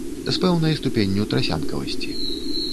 З пэўнай ступенню трасянкавасці.